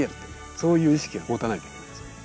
そういう意識を持たないといけないですよね。